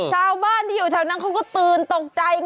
ชาวบ้านที่อยู่แถวนั้นเขาก็ตื่นตกใจ